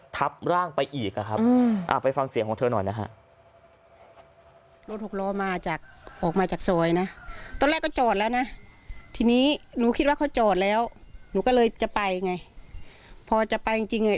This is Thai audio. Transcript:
ทับร่างไปอีกนะครับไปฟังเสียงของเธอหน่อยนะฮะ